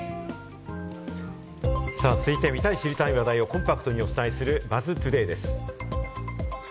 続いて、見たい知りたい話題をコンパクトにお伝えする、ＢＵＺＺトゥデイです。